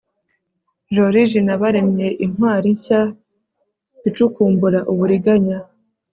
Joriji na baremye intwari nshya icukumbura uburiganya